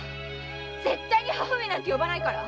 絶対に“母上”なんて呼ばないから。